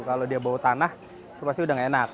kalau dia bawa tanah itu pasti udah nggak enak